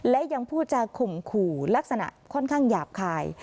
และยังพูดจะข่มขู่ลักษณะค่อนข้างหยาบคาย